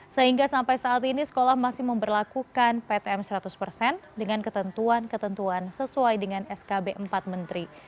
sehingga sampai saat ini sekolah masih memperlakukan ptm seratus persen dengan ketentuan ketentuan sesuai dengan skb empat menteri